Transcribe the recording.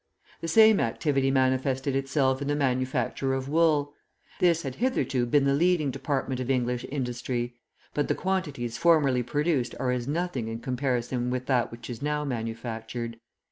The same activity manifested itself in the manufacture of wool. This had hitherto been the leading department of English industry, but the quantities formerly produced are as nothing in comparison with that which is now manufactured.